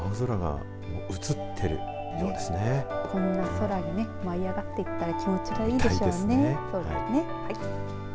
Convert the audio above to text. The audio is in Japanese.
こんな空に舞い上がっていったら気持ちがいいでしょうね。